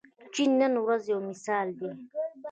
چین نن ورځ یو مثال دی.